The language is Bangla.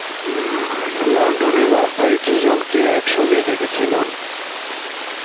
লন্ডনের রাস্তায় দু'জনকে একসঙ্গে দেখেছিলাম।